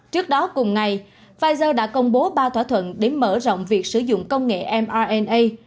trước đó cùng ngày pfizer đã công bố ba thỏa thuận để mở rộng việc sử dụng công nghệ mrna